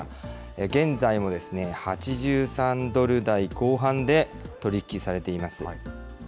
現在もですね、８３ドル台後半で取り引きされています。